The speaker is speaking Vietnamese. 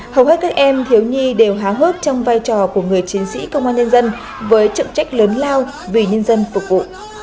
hầu hết các em thiếu nhi đều há hớt trong vai trò của người chiến sĩ công an nhân dân với trọng trách lớn lao vì nhân dân phục vụ